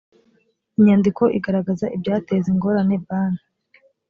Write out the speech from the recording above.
inyandiko igaragaza ibyateza ingorane banki